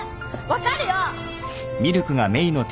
分かるよ！